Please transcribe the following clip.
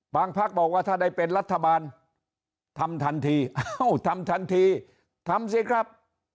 พักบอกว่าถ้าได้เป็นรัฐบาลทำทันทีเอ้าทำทันทีทำสิครับ